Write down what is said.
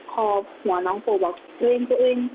พอหัวน้องโผล่บอกเรียนตัวเอง